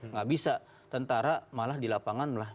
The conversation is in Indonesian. nggak bisa tentara malah di lapangan lah